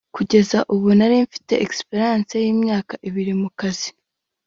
Kugeza ubu nari mfite experience y’imyaka ibiri mu kazi